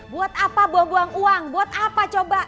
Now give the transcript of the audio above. buat apa buang buang uang buat apa coba